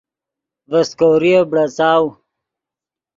ڤے سیکوریف بڑاڅاؤ